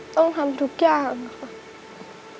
ต้องทำทุกอย่างค่ะ